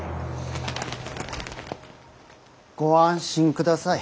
ご安心ください。